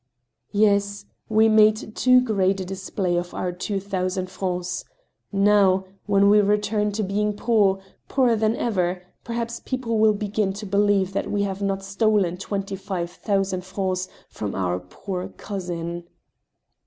" Yes, we made too great a display of our two thousand francs I Now, when we return to being poor — poorer than ever — perhaps peo ple will begin to believe that we have not stolen twenty five thousand francs from our poor cousin.